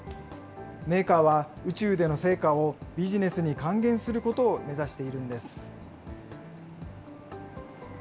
メーカーは宇宙での成果をビジネスに還元することを目指しているんです。